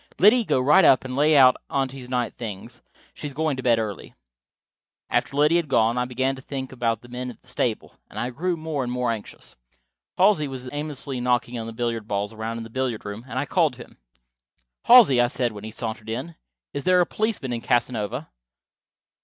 Liddy, go right up and lay out Aunty's night things. She is going to bed early." After Liddy had gone I began to think about the men at the stable, and I grew more and more anxious. Halsey was aimlessly knocking the billiard balls around in the billiard room, and I called to him. "Halsey," I said when he sauntered in, "is there a policeman in Casanova?"